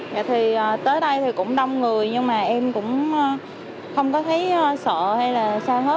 dạ thì tới đây thì cũng đông người nhưng mà em cũng không có thấy sợ hay là sơ hết